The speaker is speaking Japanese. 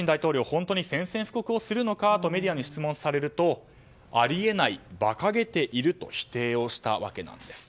本当に宣戦布告をするのかとメディアに質問されるとあり得ない馬鹿げていると否定をしたわけです。